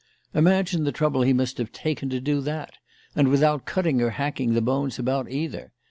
Imagine the trouble he must have taken to do that, and without cutting or hacking the bones about, either.